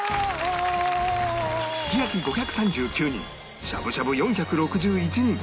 すき焼き５３９人しゃぶしゃぶ４６１人